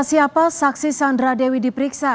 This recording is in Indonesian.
siapa saksi sandra dewi diperiksa